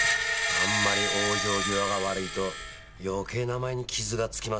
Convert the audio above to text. あんまり往生際が悪いと余計名前に傷がつきますよ。